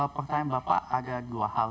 pertanyaan bapak ada dua hal